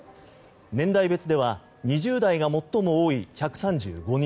年代別では２０代が最も多い１３５人。